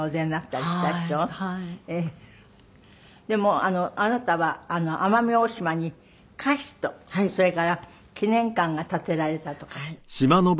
でもあなたは奄美大島に歌碑とそれから記念館が建てられたとかで。